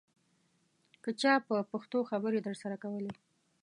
که چا په پښتو خبرې درسره کولې.